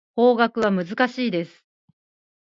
法学は難しいです。